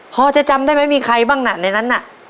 พ่อจะจำได้มั้ยมีใครบ้างในนั้นน่ะ